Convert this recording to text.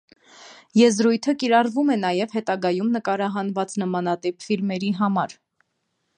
Եզրույթը կիրառվում է նաև հետագայում նկարահանված նմանատիպ ֆիլմերի համար։